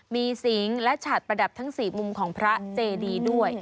มีสิงและฉาดประดับทั้ง๔มุมของพระเจดีด้วย